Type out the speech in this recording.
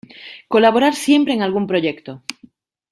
Colaborar siempre en algún proyecto.